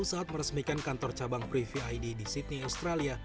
saat meresmikan kantor cabang privy id di sydney australia